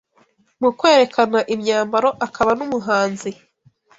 mu kwerekana imyambaro akaba n’umuhanzi